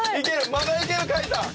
まだいける貝さん！